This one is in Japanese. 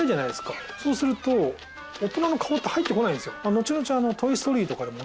後々。